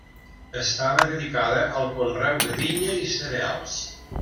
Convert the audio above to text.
Estava dedicada al conreu de vinya i cereals.